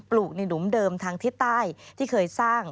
ลูกในหลุมเดิมทางทิศใต้ที่เคยสร้าง